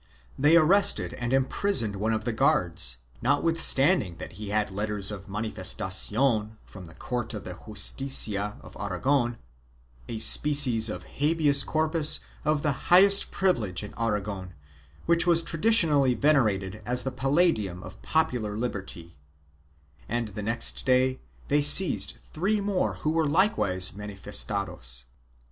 They arrested and imprisoned one of the guards, notwithstanding that he had letters of manifestation from the court of the Justicia of Aragon — a species of habeas corpus of the highest privilege in Aragon, which was traditionally venerated as the palladium of popular liberty — and the next day they seized three more who were likewise manifestados.